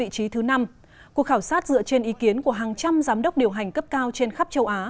cuộc khảo sát dựa trên ý kiến của hàng trăm giám đốc điều hành cấp cao trên khắp châu á